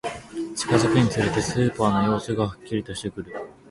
近づくにつれて、スーパーの様子がはっきりとしてくる